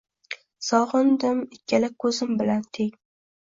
Sog’indim ikkala ko’zim bilan teng.